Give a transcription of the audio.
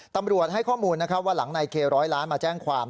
ตำรวจให้ข้อมูลว่าหลังในเคร้อยล้านมาแจ้งความ